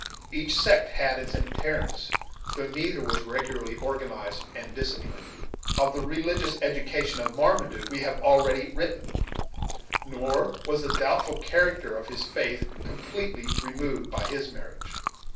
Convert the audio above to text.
Each sect had its adherents, though neither was regularly organized and disciplined. Of the religious education of Marmaduke we have already written, nor was the doubtful character of his faith completely removed by his marriage.